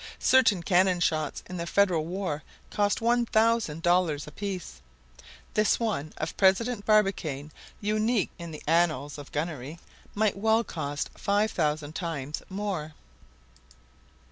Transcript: Certain cannon shots in the Federal war cost one thousand dollars apiece. This one of President Barbicane, unique in the annals of gunnery, might well cost five thousand times more.